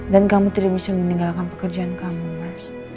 dan kamu tidak bisa meninggalkan pekerjaan kamu mas